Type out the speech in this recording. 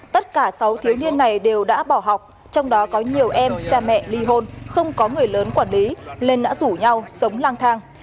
tất cả sáu thiếu niên này đều đã bỏ học trong đó có nhiều em cha mẹ ly hôn không có người lớn quản lý nên đã rủ nhau sống lang thang